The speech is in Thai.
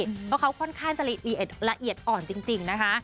เพราะเขาค่อนข้างจะละเอียดอ่อนจริงนะคะ